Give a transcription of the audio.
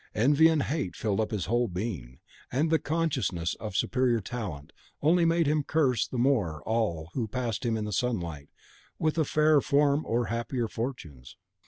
Envy and hate filled up his whole being, and the consciousness of superior talent only made him curse the more all who passed him in the sunlight with a fairer form or happier fortunes.